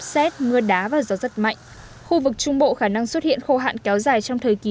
xét mưa đá và gió rất mạnh khu vực trung bộ khả năng xuất hiện khô hạn kéo dài trong thời kỳ